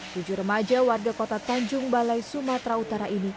tujuh remaja warga kota tanjung balai sumatera utara ini